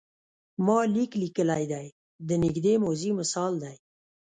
ما لیک لیکلی دی د نږدې ماضي مثال دی.